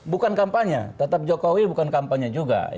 bukan kampanye tetap jokowi bukan kampanye juga